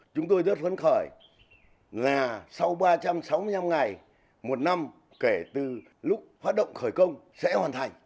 chúng tôi rất phấn khởi là sau ba trăm sáu mươi năm ngày một năm kể từ lúc phát động khởi công sẽ hoàn thành